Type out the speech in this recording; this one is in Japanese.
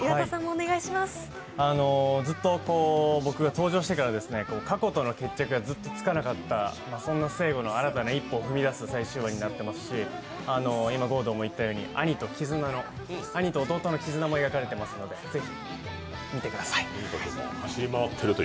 ずっと登場してから過去との決着がずっとつかなかった、そんな成吾の新たな一歩を踏み出す最終話になっていますし、今、郷敦も言ったように兄と弟の絆も描かれていますので、ぜひ見てください。